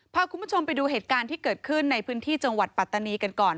พาคุณผู้ชมไปดูเหตุการณ์ที่เกิดขึ้นในพื้นที่จังหวัดปัตตานีกันก่อน